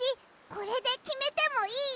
これできめてもいい？